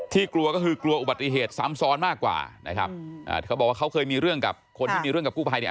กลัวก็คือกลัวอุบัติเหตุซ้ำซ้อนมากกว่านะครับอ่าเขาบอกว่าเขาเคยมีเรื่องกับคนที่มีเรื่องกับกู้ภัยเนี่ย